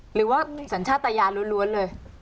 หรือว่าสัญชาติยานล้วนเลย